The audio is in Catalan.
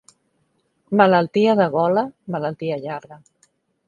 Malaltia de gola, malaltia llarga.